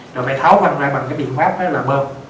rồi phải tháo phân ra bằng cái biện pháp là bơm